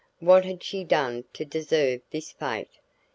What had she done to deserve this fate?